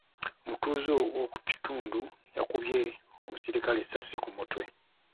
Omutuuze w'omukitundu yakubye omuserikale essaasi ku mutwe.